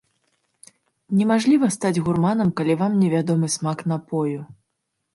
Немажліва стаць гурманам, калі вам невядомы смак напою.